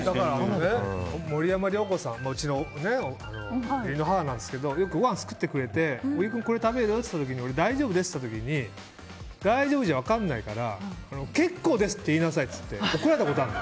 森山良子さんうちの義理の母ですけどよく、ごはんを作ってくれて小木君、これ食べる？って聞かれて俺、大丈夫ですって言った時に大丈夫じゃ分かんないから結構ですって言いなさいって怒られたことある。